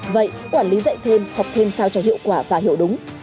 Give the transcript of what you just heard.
vậy quản lý dạy thêm học thêm sao cho hiệu quả và hiểu đúng